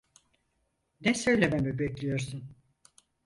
Ne söylememi bekliyorsun?